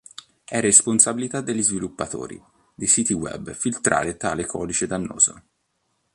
È responsabilità degli sviluppatori dei siti web filtrare tale codice dannoso.